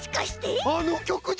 あのきょくじゃな？